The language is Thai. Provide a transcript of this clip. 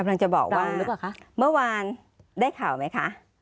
กำลังจะบอกว่าเมื่อวานได้ข่าวไหมคะ